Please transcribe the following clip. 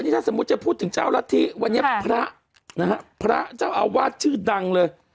ยาแต่หมดจะพูดถึงเจ้ารัฐีวันนี้พระเจ้าอาวาทชื่อดังเลย